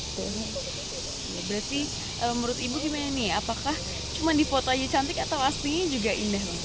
berarti menurut ibu gimana nih apakah cuma dipotongnya cantik atau aslinya juga indah